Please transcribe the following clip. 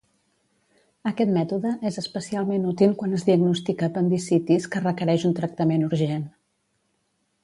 Aquest mètode es especialment útil quan es diagnostica apendicitis que requereix un tractament urgent.